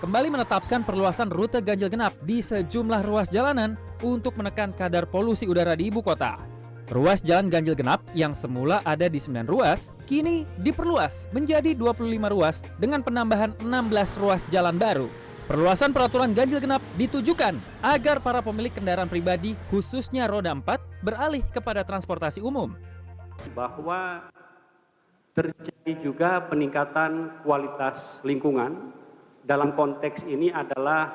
bahwa terjadi juga peningkatan kualitas lingkungan dalam konteks ini adalah